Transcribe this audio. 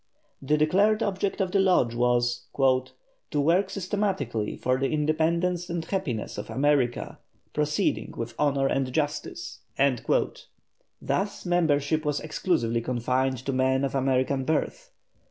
The declared object of the Lodge was: "To work systematically for the independence and happiness of America, proceeding with honour and justice." Thus membership was exclusively confined to men of American birth.